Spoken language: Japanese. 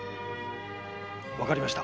わかりました。